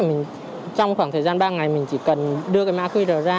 mình trong khoảng thời gian ba ngày mình chỉ cần đưa cái má qr